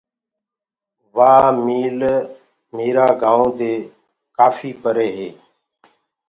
وآ ميٚل ميرآ گائونٚ دي ڪآڦي پري هي۔